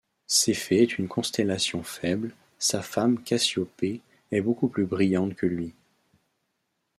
Céphée est une constellation faible, sa femme Cassiopée est beaucoup plus brillante que lui.